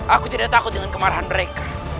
aku tidak takut dengan kemarahan mereka